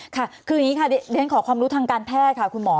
ค่ะคืออย่างนี้ค่ะเรียนขอความรู้ทางการแพทย์ค่ะคุณหมอ